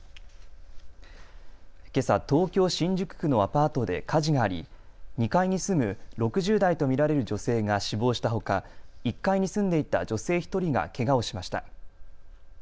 けさ東京新宿区のアパートで火事があり２階に住む６０代と見られる女性が死亡したほか１階に住んでいた女性１人がけがをしました。